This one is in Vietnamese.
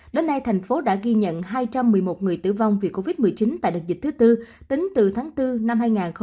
đến nay thành phố đã ghi nhận hai trăm một mươi một người tử vong vì covid một mươi chín tại đợt dịch thứ tư tính từ tháng bốn năm hai nghìn hai mươi